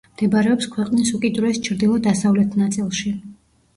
მდებარეობს ქვეყნის უკიდურეს ჩრდილო-დასავლეთ ნაწილში.